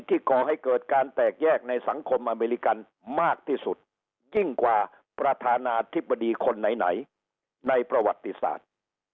ก่อให้เกิดการแตกแยกในสังคมอเมริกันมากที่สุดยิ่งกว่าประธานาธิบดีคนไหนในประวัติศาสตร์